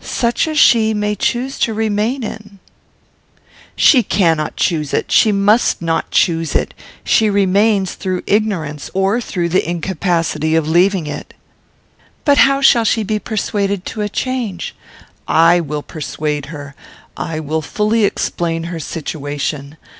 "Such as she may choose to remain in." "She cannot choose it. She must not choose it. She remains through ignorance, or through the incapacity of leaving it." "But how shall she be persuaded to a change?" "I will persuade her. I will fully explain her situation.